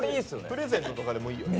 プレゼントとかでもいいよね。